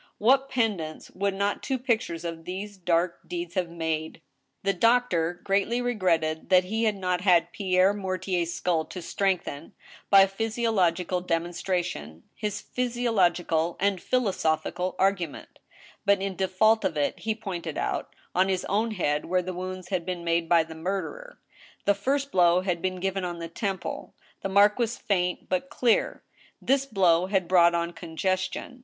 What pendants would not two pictures of these dark deeds have made I The doctor greatly regretted that he had not Pierre Mortier's skuU, to strengthen, by a physiological demonstration, his physiologi cal and philosophical argument ; but in default of it he pointed out on his own head where the wounds had been made by the murderer. The first blow had been given on the temple. The mark was faint but clear. This blow had brought on congestion.